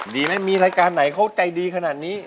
ดีไหมมีรายการไหนเขาใจดีขนาดนี้